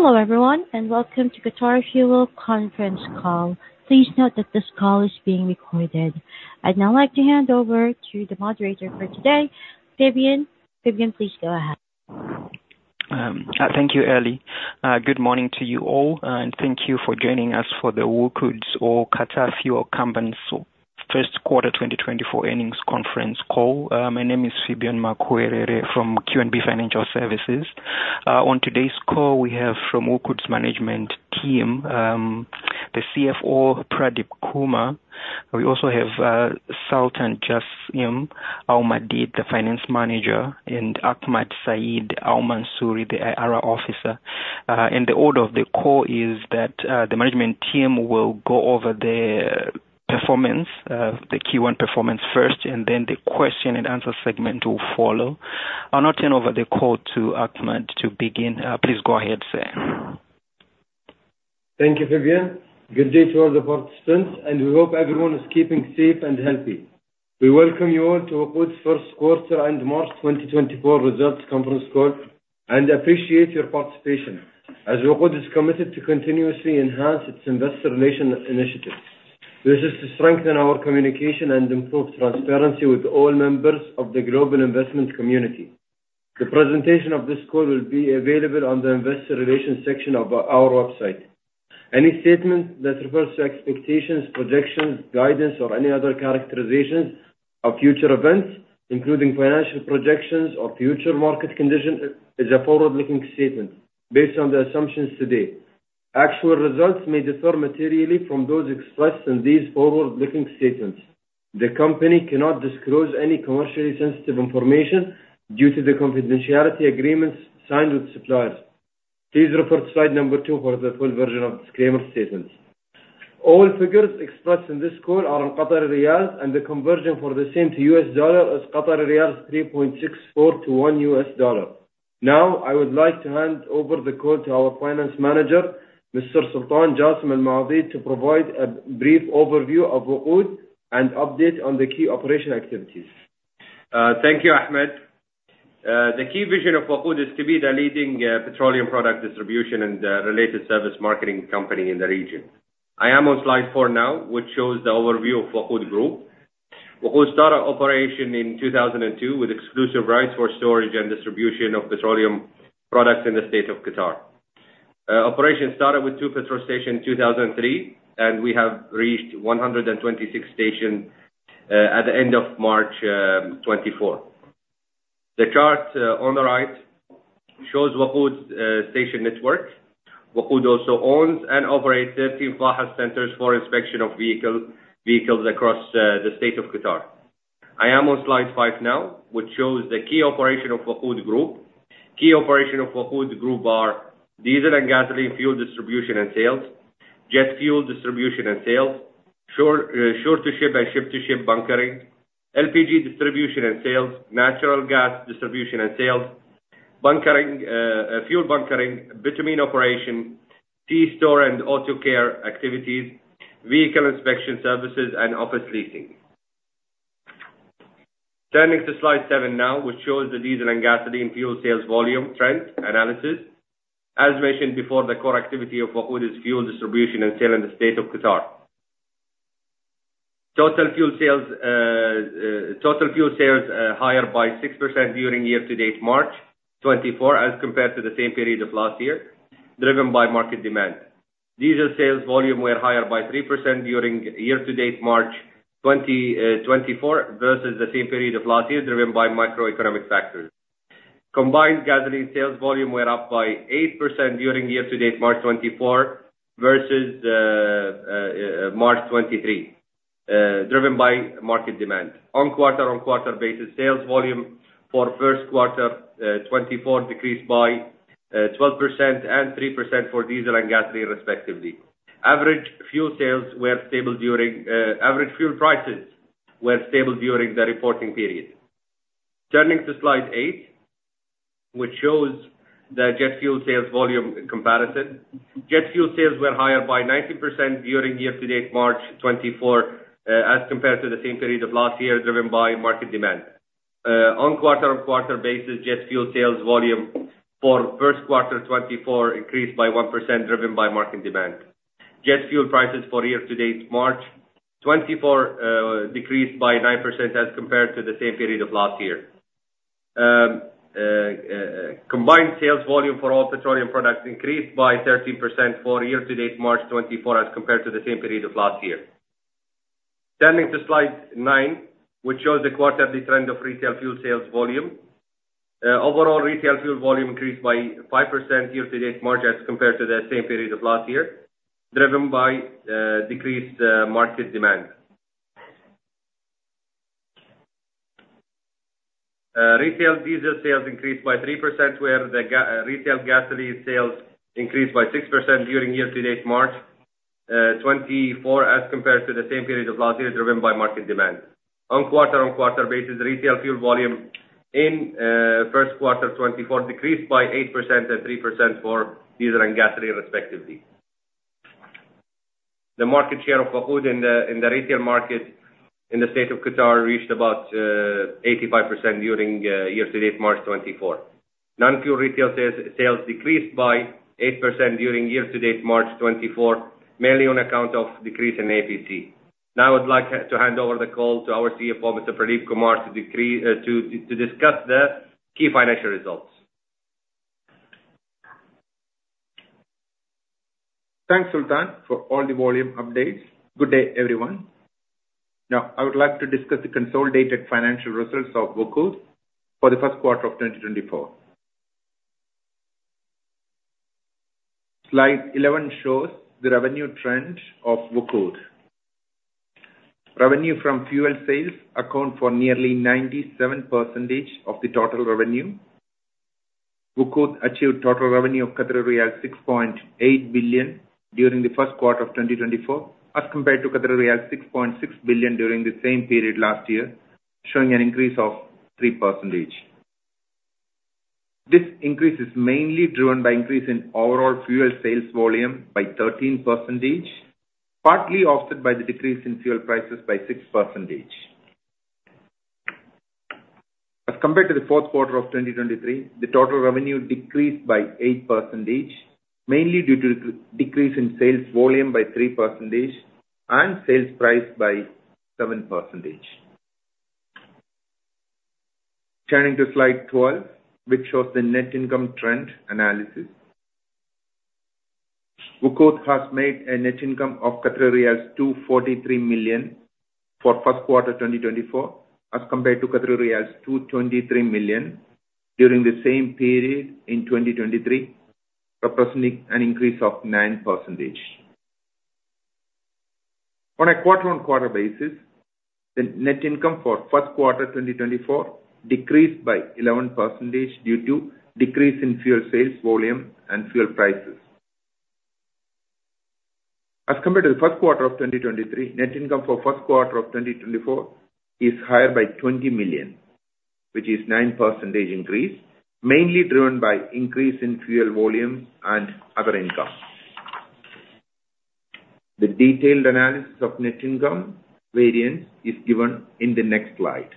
Hello everyone, and welcome to Qatar Fuel Conference Call. Please note that this call is being recorded. I'd now like to hand over to the moderator for today, Fabian. Fabian, please go ahead. Thank you, Ellie. Good morning to you all, and thank you for joining us for the WOQOD or Qatar Fuel Company's first quarter 2024 earnings conference call. My name is Fabian Makuwerere from QNB Financial Services. On today's call, we have from WOQOD's management team, the CFO, Pradeep Kumar. We also have, Sultan Jassim Al-Maadeed, the Finance Manager, and Ahmed Saeed Al-Mansoori, the IR Officer. The order of the call is that, the management team will go over the performance, the Q1 performance first, and then the question-and-answer segment will follow. I'll now turn over the call to Ahmad to begin. Please go ahead, sir. Thank you, Fabian. Good day to all the participants, and we hope everyone is keeping safe and healthy. We welcome you all to WOQOD's first quarter and March 2024 results conference call, and appreciate your participation, as WOQOD is committed to continuously enhance its investor relations initiatives. This is to strengthen our communication and improve transparency with all members of the global investment community. The presentation of this call will be available on the investor relations section of our website. Any statement that refers to expectations, projections, guidance, or any other characterizations of future events, including financial projections or future market conditions, is a forward-looking statement based on the assumptions today. Actual results may differ materially from those expressed in these forward-looking statements. The company cannot disclose any commercially sensitive information due to the confidentiality agreements signed with suppliers. Please refer to slide number 2 for the full version of disclaimer statements. All figures expressed in this call are in Qatari riyal, and the conversion for the same to US dollar is riyal 3.64 to one US dollar. Now, I would like to hand over the call to our finance manager, Mr. Sultan Jassim Al-Maadeed, to provide a brief overview of WOQOD and update on the key operational activities. Thank you, Ahmad. The key vision of WOQOD is to be the leading petroleum product distribution and related service marketing company in the region. I am on slide 4 now, which shows the overview of WOQOD Group. WOQOD started operation in 2002 with exclusive rights for storage and distribution of petroleum products in the state of Qatar. Operations started with two petrol stations in 2003, and we have reached 126 stations at the end of March 2024. The chart on the right shows WOQOD's station network. WOQOD also owns and operates 13 FAHES Centers for inspection of vehicles across the state of Qatar. I am on slide 5 now, which shows the key operation of WOQOD Group. Key operations of WOQOD Group are diesel and gasoline fuel distribution and sales, jet fuel distribution and sales, shore-to-ship and ship-to-ship bunkering, LPG distribution and sales, natural gas distribution and sales, bunkering, fuel bunkering, bitumen operation, convenience store and auto care activities, vehicle inspection services, and office leasing. Turning to slide 7 now, which shows the diesel and gasoline fuel sales volume trend analysis. As mentioned before, the core activity of WOQOD is fuel distribution and sale in the state of Qatar. Total fuel sales higher by 6% during year-to-date March 2024, as compared to the same period of last year, driven by market demand. Diesel sales volume were higher by 3% during year-to-date March 2024, versus the same period of last year, driven by macroeconomic factors. Combined gasoline sales volume were up by 8% during year-to-date March 2024 versus March 2023, driven by market demand. On quarter-over-quarter basis, sales volume for first quarter 2024 decreased by 12% and 3% for diesel and gasoline, respectively. Average fuel sales were stable during, average fuel prices were stable during the reporting period. Turning to slide 8, which shows the jet fuel sales volume comparison. Jet fuel sales were higher by 19% during year-to-date March 2024, as compared to the same period of last year, driven by market demand. On quarter-over-quarter basis, jet fuel sales volume for first quarter 2024 increased by 1%, driven by market demand. Jet fuel prices for year-to-date March 2024 decreased by 9% as compared to the same period of last year. Combined sales volume for all petroleum products increased by 13% for year-to-date March 2024, as compared to the same period of last year. Turning to slide nine, which shows the quarterly trend of retail fuel sales volume. Overall retail fuel volume increased by 5% year-to-date March, as compared to the same period of last year, driven by decreased market demand. Retail diesel sales increased by 3%, retail gasoline sales increased by 6% during year-to-date March 2024, as compared to the same period of last year, driven by market demand. On quarter-on-quarter basis, retail fuel volume in first quarter 2024 decreased by 8% and 3% for diesel and gasoline, respectively. The market share of WOQOD in the retail market in the state of Qatar reached about 85% during year-to-date March 24, 2024. Non-fuel retail sales decreased by 8% during year-to-date March 24, 2024, mainly on account of decrease in APC. Now, I would like to hand over the call to our CFO, Mr. Pradeep Kumar, to discuss the key financial results. Thanks, Sultan, for all the volume updates. Good day, everyone. Now I would like to discuss the consolidated financial results of WOQOD for the first quarter of 2024. Slide 11 shows the revenue trend of WOQOD. Revenue from fuel sales account for nearly 97% of the total revenue. WOQOD achieved total revenue of 6.8 billion during the first quarter of 2024, as compared to 6.6 billion during the same period last year, showing an increase of 3%. This increase is mainly driven by increase in overall fuel sales volume by 13%, partly offset by the decrease in fuel prices by 6%. As compared to the fourth quarter of 2023, the total revenue decreased by 8%, mainly due to the decrease in sales volume by 3% and sales price by 7%. Turning to Slide 12, which shows the net income trend analysis. WOQOD has made a net income of 243 million for first quarter 2024, as compared to 223 million during the same period in 2023, representing an increase of 9%. On a quarter-on-quarter basis, the net income for first quarter 2024 decreased by 11% due to decrease in fuel sales volume and fuel prices. As compared to the first quarter of 2023, net income for first quarter of 2024 is higher by 20 million, which is 9% increase, mainly driven by increase in fuel volume and other income. The detailed analysis of net income variance is given in the next slide.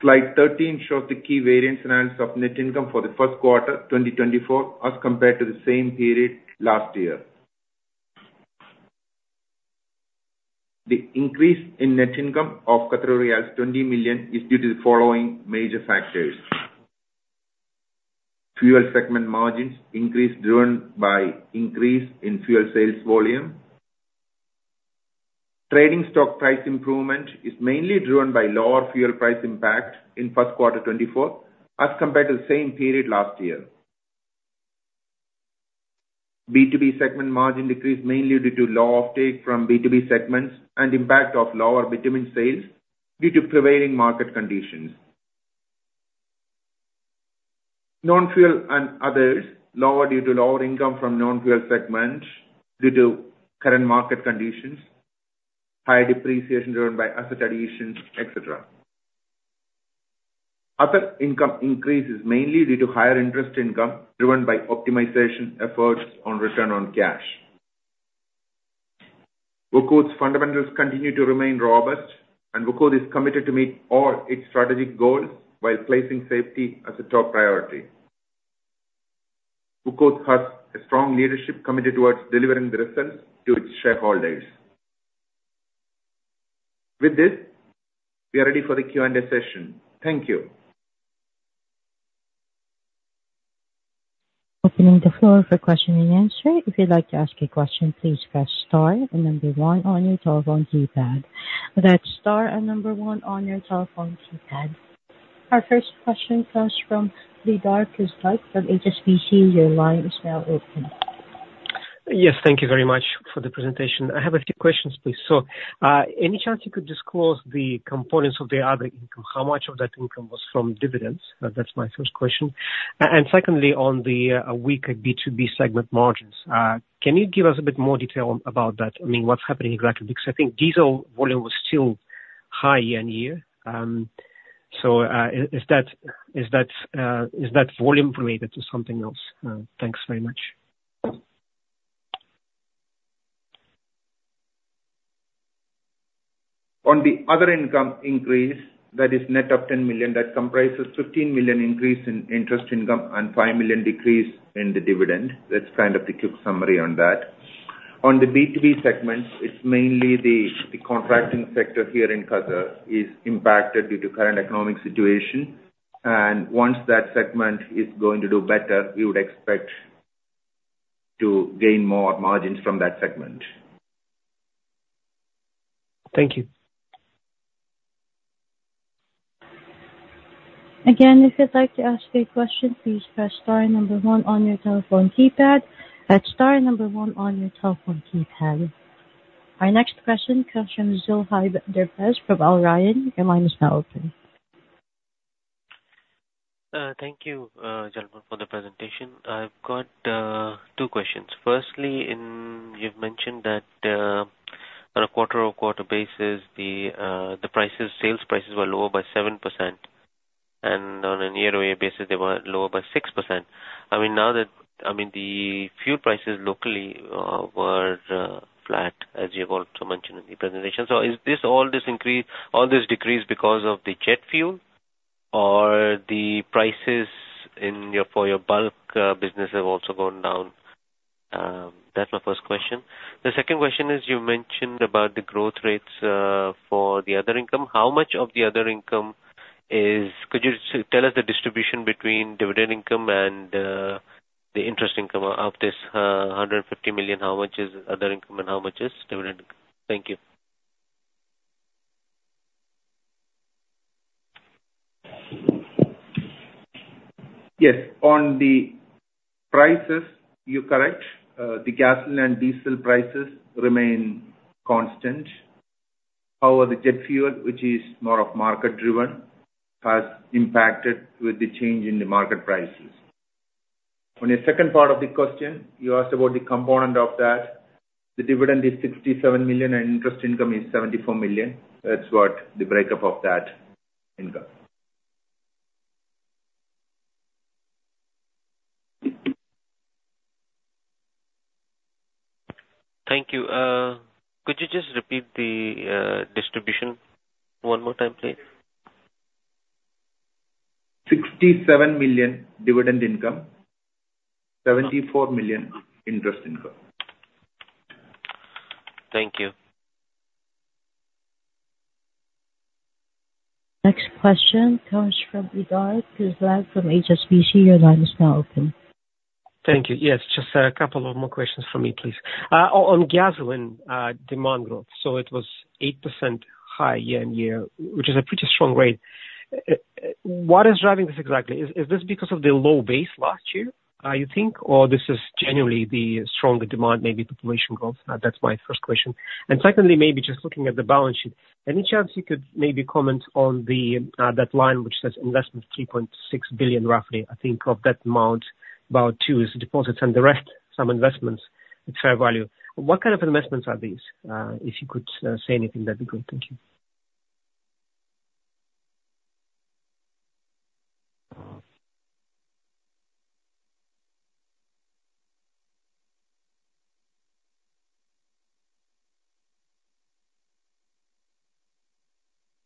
Slide 13 shows the key variance analysis of net income for the first quarter 2024 as compared to the same period last year. The increase in net income of 20 million is due to the following major factors: Fuel segment margins increase driven by increase in fuel sales volume. Trading stock price improvement is mainly driven by lower fuel price impact in first quarter 2024 as compared to the same period last year. B2B segment margin decreased mainly due to low uptake from B2B segments and impact of lower bitumen sales due to prevailing market conditions. Non-fuel and others lowered due to lower income from non-fuel segments due to current market conditions, high depreciation driven by asset additions, et cetera. Other income increases mainly due to higher interest income driven by optimization efforts on return on cash. WOQOD's fundamentals continue to remain robust, and WOQOD is committed to meet all its strategic goals while placing safety as a top priority. WOQOD has a strong leadership committed towards delivering the results to its shareholders. With this, we are ready for the Q&A session. Thank you. Opening the floor for question-and-answer. If you'd like to ask a question, please press star and number one on your telephone keypad. That's star and number one on your telephone keypad. Our first question comes from the [Deepak Kumar] from HSBC. Your line is now open. Yes, thank you very much for the presentation. I have a few questions, please. So, any chance you could disclose the components of the other income? How much of that income was from dividends? That's my first question. And secondly, on the weaker B2B segment margins, can you give us a bit more detail about that? I mean, what's happening exactly? Because I think diesel volume was still high year-on-year. So, is that volume related to something else? Thanks very much. On the other income increase, that is net of 10 million, that comprises 15 million increase in interest income and 5 million decrease in the dividend. That's kind of the quick summary on that. On the B2B segment, it's mainly the contracting sector here in Qatar is impacted due to current economic situation, and once that segment is going to do better, we would expect to gain more margins from that segment. Thank you. Again, if you'd like to ask a question, please press star and number one on your telephone keypad. That's star and number one on your telephone keypad. Our next question comes from Zohaib Pervez from Al Rayan. Your line is now open. Thank you, gentlemen, for the presentation. I've got- Two questions. Firstly, in you've mentioned that on a quarter-over-quarter basis, the prices, sales prices were lower by 7%, and on a year-over-year basis, they were lower by 6%. I mean, now that, I mean, the fuel prices locally were flat, as you've also mentioned in the presentation. So is this all this increase, all this decrease because of the jet fuel or the prices in your, for your bulk business have also gone down? That's my first question. The second question is, you mentioned about the growth rates for the other income. How much of the other income is... Could you tell us the distribution between dividend income and the interest income of this 150 million? How much is other income and how much is dividend income? Thank you. Yes. On the prices, you're correct. The gasoline and diesel prices remain constant. However, the jet fuel, which is more of market-driven, has impacted with the change in the market prices. On the second part of the question, you asked about the component of that. The dividend is 67 million, and interest income is 74 million. That's what the breakup of that income. Thank you. Could you just repeat the distribution one more time, please? 67 million dividend income, 74 million interest income. Thank you. Next question comes fromJigar Shah from HSBC. Your line is now open. Thank you. Yes, just a couple of more questions for me, please. On gasoline demand growth, so it was 8% higher year-on-year, which is a pretty strong rate. What is driving this exactly? Is this because of the low base last year, you think, or this is generally the stronger demand, maybe population growth? That's my first question. And secondly, maybe just looking at the balance sheet, any chance you could maybe comment on that line which says investment 3.6 billion, roughly? I think of that amount, about 2 billion is deposits and the rest, some investments at fair value. What kind of investments are these? If you could say anything, that'd be good. Thank you.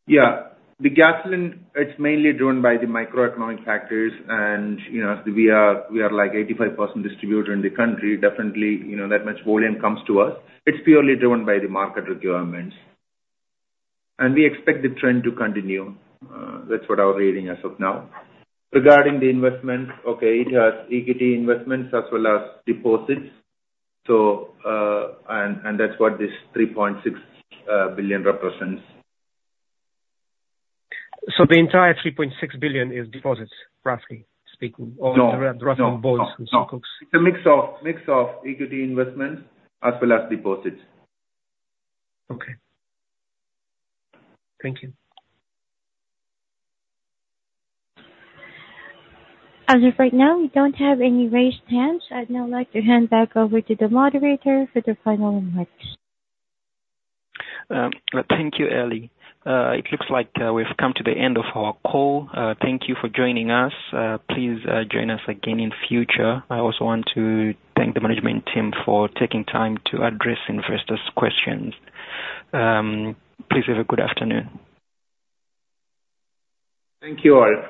Yeah. The gasoline, it's mainly driven by the microeconomic factors and, you know, we are, we are like 85% distributor in the country. Definitely, you know, that much volume comes to us. It's purely driven by the market requirements, and we expect the trend to continue. That's what our reading as of now. Regarding the investments, okay, it has equity investments as well as deposits. So, and that's what this 3.6 billion represents. The entire 3.6 billion is deposits, roughly speaking? No. Or roughly both in circles. No, no, no. It's a mix of, mix of equity investments as well as deposits. Okay. Thank you. As of right now, we don't have any raised hands. I'd now like to hand back over to the moderator for the final remarks. Thank you, Ellie. It looks like we've come to the end of our call. Thank you for joining us. Please join us again in future. I also want to thank the management team for taking time to address investors' questions. Please have a good afternoon. Thank you, all.